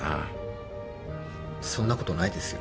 そんなことないですよ。